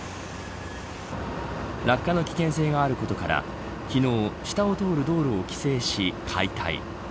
落下の危険性があることから昨日下を通る道路を規制し解体。